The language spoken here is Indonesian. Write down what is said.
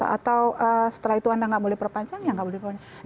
atau setelah itu anda nggak boleh perpanjang ya nggak boleh